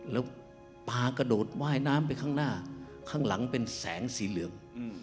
แล้วปลากระโดดว่ายน้ำไปข้างหน้าข้างหลังเป็นแสงสีเหลือง